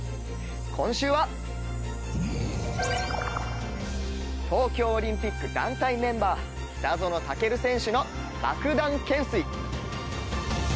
今週は東京オリンピック団体メンバー北園丈琉選手のバクダン懸垂。